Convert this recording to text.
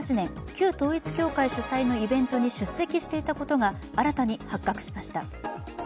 ２０１８年、旧統一教会主催のイベントに出席していたことが新たに発覚しました。